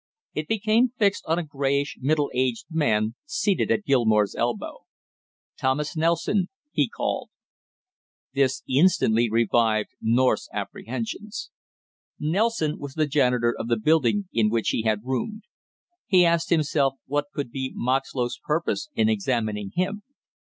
It became fixed on a grayish middle aged man seated at Gilmore's elbow. "Thomas Nelson," he called. This instantly revived North's apprehensions. Nelson was the janitor of the building in which he had roomed. He asked himself what could be Moxlow's purpose in examining him.